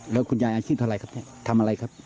แล้วคุณยายอาชีพที่ทำอะไรครับ